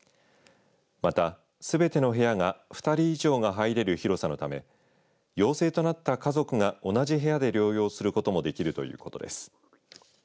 また、この施設では、すべての部屋が２人以上は入れる広さのため陽性となった家族が同じ部屋で療養することもできるということです。